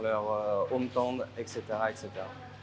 để họ gửi tiền về nhà v v